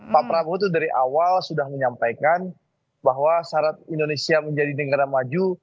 pak prabowo itu dari awal sudah menyampaikan bahwa syarat indonesia menjadi negara maju